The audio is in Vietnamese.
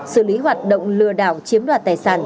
xử lý hoạt động lừa đảo chiếm đoạt tài sản